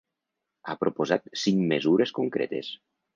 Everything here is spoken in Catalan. Ha proposat cinc mesures concretes.